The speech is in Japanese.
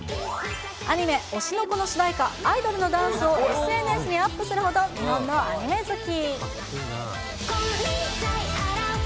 アニメ、推しの子の主題歌、アイドルのダンスをＳＮＳにアップするほど、日本のアニメ好き。